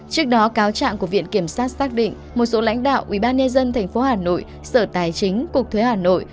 trước đó cáo trạng của viện kiểm sát xác định một số lãnh đạo ubnd tp hà nội sở tài chính cục thuế hà nội